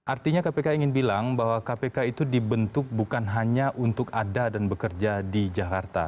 artinya kpk ingin bilang bahwa kpk itu dibentuk bukan hanya untuk ada dan bekerja di jakarta